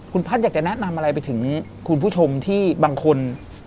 คุณพัฒน์อยากจะแนะนำอะไรไปถึงคุณผู้ชมที่บางคน